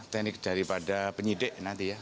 teknik daripada penyidik nanti ya